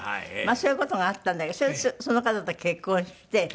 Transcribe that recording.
そういう事があったんだけどそれでその方と結婚をして。